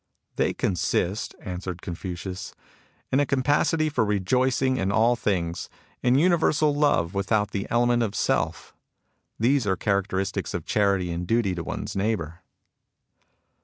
" They consist," answered Confucius, " in a capacity for rejoicing in all things ; in universal love, without the element of self. These are the characteristics of charity and duty to one's neighbour."